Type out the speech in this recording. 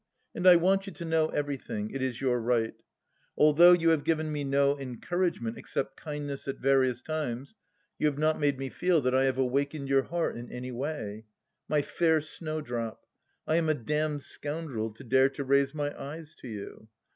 And I want you to know everything ; it is your right. Al though you have given me no encouragement, except kind ness at various times, you have not made me feel that I have awakened your heart in any way. My fair snowdrop ! I am a damned scoundrel, to dare to raise my eyes to you.